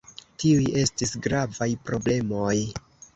Tiuj estis gravaj problemoj.